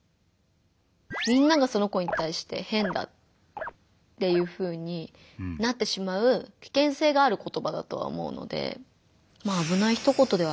みんながその子にたいして変だっていうふうになってしまう危険性がある言葉だとは思うので。